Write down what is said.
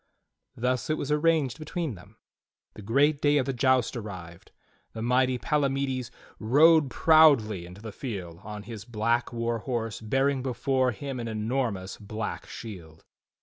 Thus it was arranged between them. The great day of the joust arrived. The mighty Palamides rode proudly into the field on his black war horse bearing before him an enormous black shield.